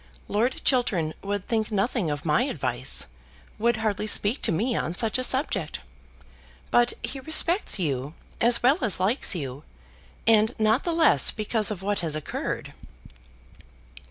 Lord Chiltern would think nothing of my advice, would hardly speak to me on such a subject. But he respects you as well as likes you, and not the less because of what has occurred."